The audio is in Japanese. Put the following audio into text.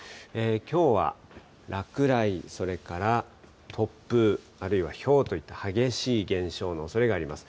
きょうは落雷、それから突風、あるいはひょうといった激しい現象のおそれがあります。